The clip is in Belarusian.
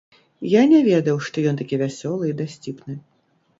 Я не ведаў, што ён такі вясёлы і дасціпны.